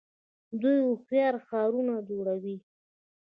دوی هوښیار ښارونه جوړوي.